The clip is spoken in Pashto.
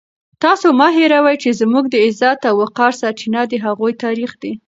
تاسو مه هېروئ چې زموږ د عزت او وقار سرچینه د هغوی تاریخ دی.